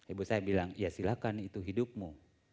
ibu saya bilang ya silahkan itu hidupmu